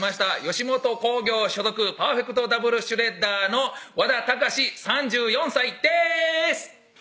吉本興業所属パーフェクト・ダブル・シュレッダーの和田崇３４歳です！